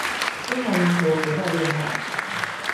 中華民國國道六號